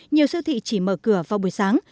nhiều siêu thị chỉ mở cửa vào buổi sáng